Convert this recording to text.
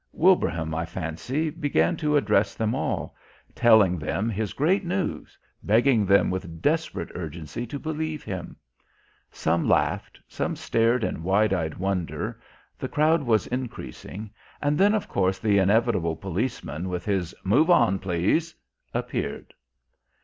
Wilbraham, I fancy, began to address them all, telling them his great news, begging them with desperate urgency to believe him. Some laughed, some stared in wide eyed wonder, the crowd was increasing and then, of course, the inevitable policeman with his "move on, please," appeared.